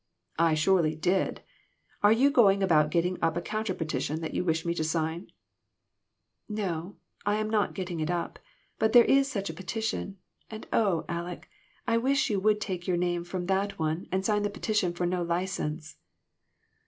" I surely did. Are you going about getting up a counter petition that you wish me to sign ?" "No, I am not getting it up, but there is such a petition ; and oh, Aleck ! I wish you would take your name from that one and sign the petition for no license."